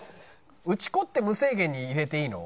打ち粉って無制限に入れていいの？